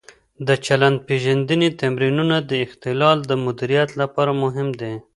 د چلند-پېژندنې تمرینونه د اختلال د مدیریت لپاره مهم دي.